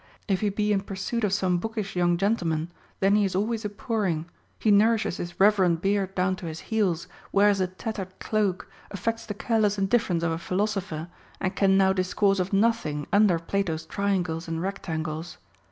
If he he in pursuit of some bookish young gentle man, then he is always a poring, he nourishes his reverend beard down to his heels, wears a tattered cloak, affects the careless indifference of a philosopher, and can now dis course of nothing under Plato's triangles and rectangles.